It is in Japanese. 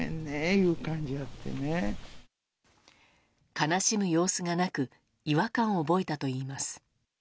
悲しむ様子がなく違和感を覚えたといいます。